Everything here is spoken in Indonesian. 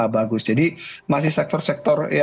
bagus jadi masih sektor sektor